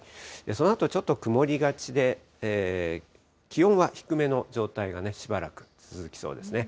そのあとちょっと曇りがちで、気温は低めの状態がしばらく続きそうですね。